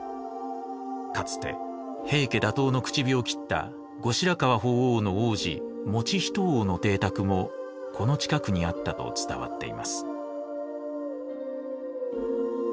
かつて平家打倒の口火を切った後白河法皇の皇子以仁王の邸宅もこの近くにあったと伝わっています。